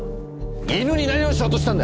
犬に何をしようとしたんだ！